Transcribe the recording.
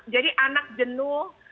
jadi anak jenuh